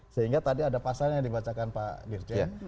sehingga tadi ada pasal yang dibacakan pak dirjen